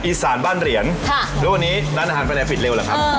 อีสานบ้านเหรียญหรือวันนี้ร้านอาหารไปไหนผิดเร็วล่ะครับ